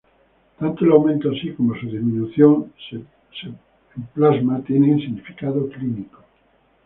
Tanto el aumento, así como su disminución en plasma tienen significado clínico.